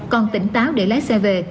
còn tỉnh táo để lái xe về